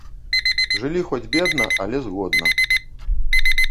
Жылі хоць бедна, але згодна.